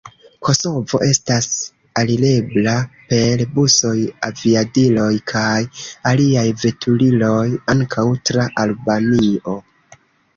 Kosovo estas alirebla per busoj, aviadiloj kaj aliaj veturiloj, ankaŭ tra Albanio.